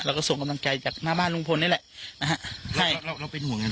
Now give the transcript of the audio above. ส่งกำลังใจจากหน้าบ้านลุงพลนี่แหละนะฮะให้เราเราเป็นห่วงกัน